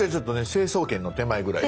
成層圏の手前ぐらい。